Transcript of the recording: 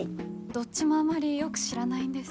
どっちもあまりよく知らないんです。